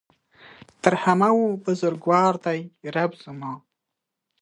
تر همه ؤ بزرګوار دی رب زما